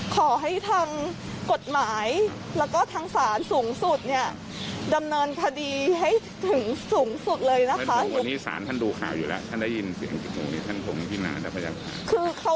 พอบครัวคนอื่นต่อไปขอบคุณค่ะ